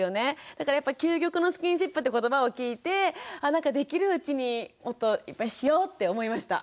だからやっぱ究極のスキンシップって言葉を聞いてなんかできるうちにもっといっぱいしようって思いました。